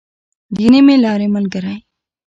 د نيمې لارې ملګری.